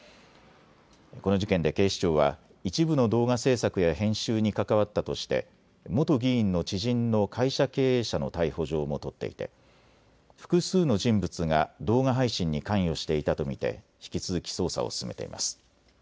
この事件で警視庁は一部の動画制作や編集に関わったとして元議員の知人の会社経営者の逮捕状も取っていて複数の人物が動画配信に関与していたと見て引き続き捜査を進めています。